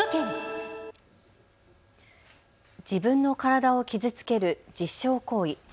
自分の体を傷つける自傷行為。